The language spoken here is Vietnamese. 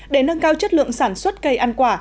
để nâng cao chất lượng sản xuất cây ăn quả